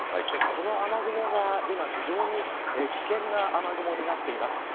この雨雲が今非常に危険な雨雲になっています。